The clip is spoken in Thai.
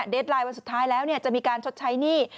ไลน์วันสุดท้ายแล้วจะมีการชดใช้หนี้